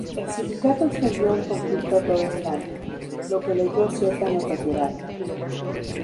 El sindicato extendió el conflicto a toda España, lo que le dio cierta notoriedad.